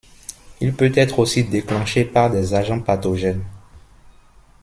Il peut être aussi déclenché par des agents pathogènes.